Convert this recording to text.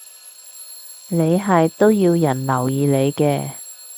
你係都要人留意你嘅